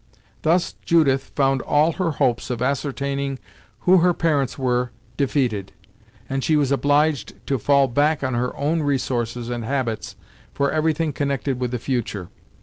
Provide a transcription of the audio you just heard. Thus Judith found all her hopes of ascertaining who her parents were defeated, and she was obliged to fall back on her own resources and habits for everything connected with the future.